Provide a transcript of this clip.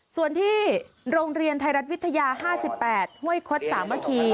ส่วนที่โรงเรียนไทยรัฐวิทยา๕๘ห้วยคดสามัคคี